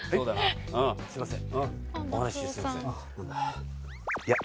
すみません。